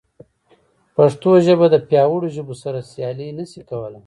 پښتو ژبه د پیاوړو ژبو سره سیالي نه شي کولی.